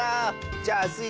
じゃあスイ